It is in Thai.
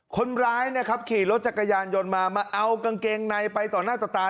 คนร้ายนะครับขี่รถจักรยานยนต์มามาเอากางเกงในไปต่อหน้าต่อตา